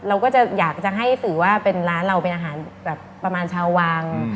เราก็จะอยากจะให้สื่อว่าเป็นร้านเราเป็นอาหารแบบประมาณชาววัง